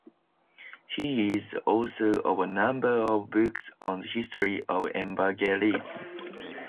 He is the author of a number of books on the history of evangelism.